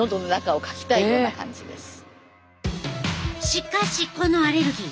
しかしこのアレルギー